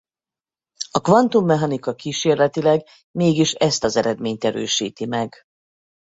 A kvantummechanika kísérletileg mégis ezt az eredményt erősíti meg.